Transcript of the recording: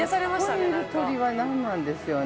◆ここにいる鳥は何なんでしょうね。